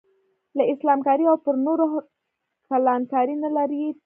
له اسلام کارۍ او پر نورو کلان کارۍ نه لرې تښتم.